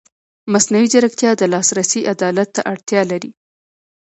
مصنوعي ځیرکتیا د لاسرسي عدالت ته اړتیا لري.